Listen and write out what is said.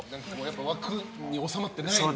枠に収まってない人と。